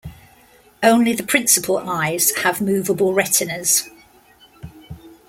Only the principal eyes have moveable retinas.